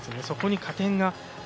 そこに加点が。